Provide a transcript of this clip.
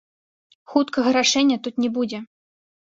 Хуткага рашэння тут не будзе.